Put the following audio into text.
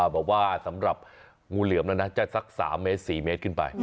บอกว่าสำหรับงูเหลือมแล้วนะจะสัก๓เมตร๔เมตรขึ้นไป